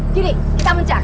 gini kita mencar